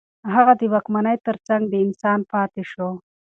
هغه د واکمنۍ ترڅنګ د انسان پاتې شو.